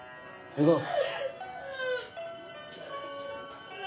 行こう。